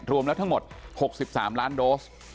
รวมแล้วทั้งหมด๖๓ล้านโดส